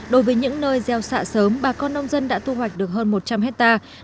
đối với những nơi gieo xạ sớm bà con nông dân đã thu hoạch được hơn một trăm linh hectare